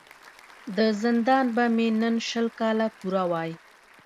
د زندان به مي نن شل کاله پوره وای